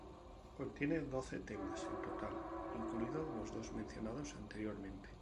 Contiene doce temas en total, incluidos los dos mencionados anteriormente.